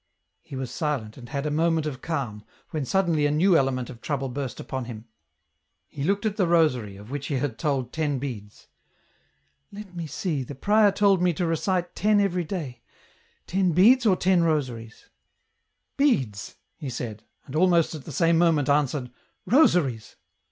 " He was silent and had a moment of calm, when suddenly a new element of trouble burst upon him. He looked at the rosary, of which he had told ten beads. " Let me see, the prior told me to recite ten every day — ten beads or ten rosaries ?"Beads," he said, and almost at the same moment answered, "Rosaries."